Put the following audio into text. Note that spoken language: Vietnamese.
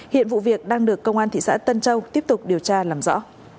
hiện vụ việc đang được công an thị xã tân châu tiếp tục điều tra làm rõ